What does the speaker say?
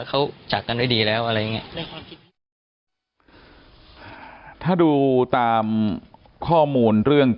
ของ